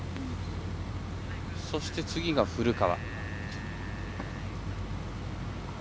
そして、次が古川。